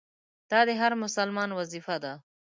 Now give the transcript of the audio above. دا د هر مسلمان وظیفه ده.